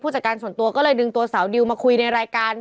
จากการส่วนตัวก็เลยดึงตัวสาวดิวมาคุยในรายการ